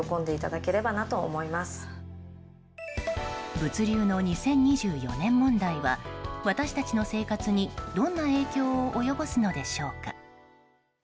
物流の２０２４年問題は私たちの生活にどんな影響を及ぼすのでしょうか。